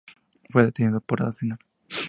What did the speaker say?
Fue detenido por Arsenal.